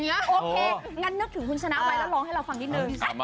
โอเคงั้นนึกถึงคุณชนะไว้แล้วร้องให้เราฟังนิดนึง